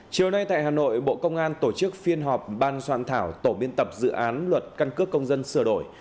chiều nay tại hà nội bộ công an tổ chức phiên họp ban soạn thảo tổ biên tập dự án luật căn cước công dân sửa đổi